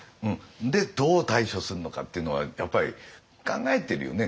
でどう対処するのかっていうのはやっぱり考えてるよね。